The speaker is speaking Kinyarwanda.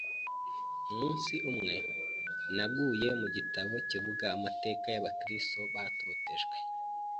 Umunsi umwe naguye ku gitabo kivuga amateka y’abakristo batotejwe,